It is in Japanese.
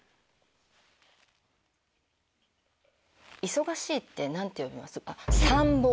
忙しいって何て読むんですか？